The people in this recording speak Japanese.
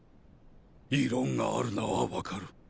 異論があるのは分かる。